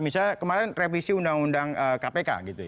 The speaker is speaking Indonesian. misalnya kemarin revisi undang undang kpk